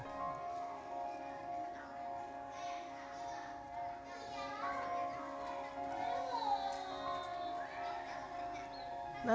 saya bekerja sebagai tekanan